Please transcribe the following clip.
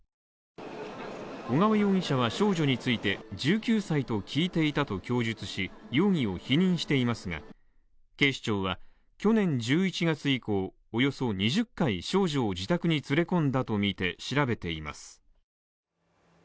小川容疑者は少女について１９歳と聞いていたと供述し容疑を否認していますが、警視庁は去年１１月以降、およそ２０回少女を自宅に連れ込んだとみて調べています。